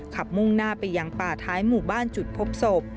มุ่งหน้าไปยังป่าท้ายหมู่บ้านจุดพบศพ